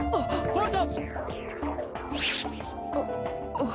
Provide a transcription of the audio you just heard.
あっ！